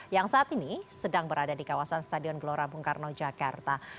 yang saat ini sedang berada di kawasan stadion gelora bung karno jakarta